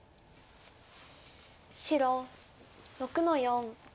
白６の四。